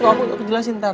kalau aku jelasin ntar